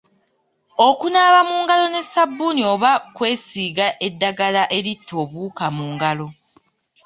Okunaaba mu ngalo ne ssabbuuni oba kwesiiga eddagala eritta obuwuka mu ngalo.